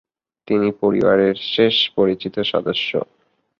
তিনি পরিবারের শেষ পরিচিত সদস্য।